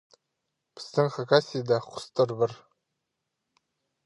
Пістің Хакасияда хустар пар.